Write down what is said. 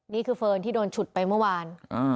เฟิร์นที่โดนฉุดไปเมื่อวาน